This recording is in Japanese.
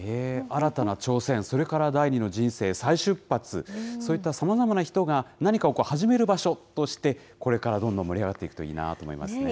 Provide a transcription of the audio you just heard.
新たな挑戦、それから第二の人生、再出発、そういったさまざまな人が、何かを始める場所として、これからどんどん盛り上がっていくといいなと思いますね。